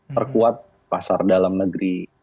perkuat pasar dalam negeri